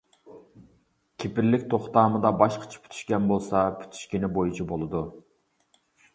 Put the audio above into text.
كېپىللىك توختامىدا باشقىچە پۈتۈشكەن بولسا، پۈتۈشكىنى بويىچە بولىدۇ.